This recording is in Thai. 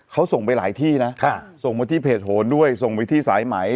เขาส่งไปหลายที่นะส่งมาที่เพจโหนด้วยส่งไปที่สายไหม